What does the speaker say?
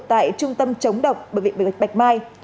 tại trung tâm chống độc bệnh viện bạch mai